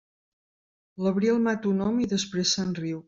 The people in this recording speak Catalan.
L'abril mata un home i després se'n riu.